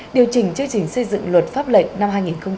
điều chỉnh chương trình xây dựng luật pháp lệnh năm hai nghìn một mươi chín